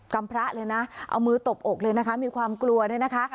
ำพระเลยนะเอามือตบอกเลยนะคะมีความกลัวเนี่ยนะคะ